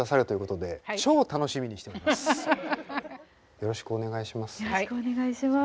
よろしくお願いします。